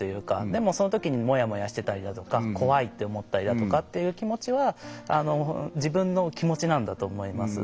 でもそのときにもやもやしてたりだとか怖いって思ったりだとかっていう気持ちは自分の気持ちなんだと思います。